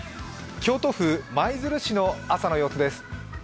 京都府舞鶴市の朝の様子です。